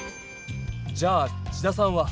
じゃあ千田さんは。